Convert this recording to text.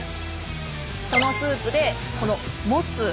そのスープでこのモツ。